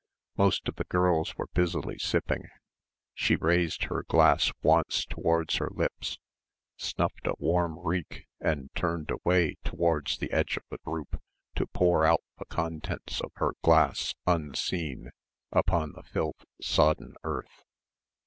Most of the girls were busily sipping. She raised her glass once towards her lips, snuffed a warm reek, and turned away towards the edge of the group, to pour out the contents of her glass, unseen, upon the filth sodden earth.